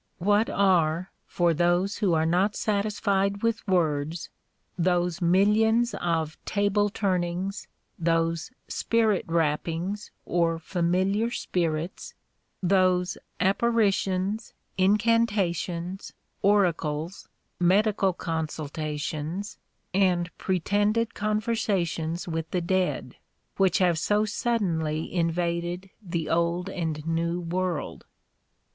What are (for those who are not satisfied with words) those mil lions of table turnings, those spirit rappings or familiar spirits, those apparitions, incan tations, oracles, medical consultations, and pretended conversations with the dead, which have so suddenly invaded the old and new world